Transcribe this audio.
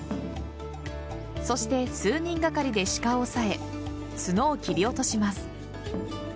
そして、数人がかりで鹿を抑え、角を切り落とします。